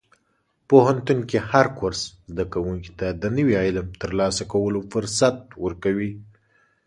پوهنتون کې هر کورس زده کوونکي ته د نوي علم ترلاسه کولو فرصت ورکوي.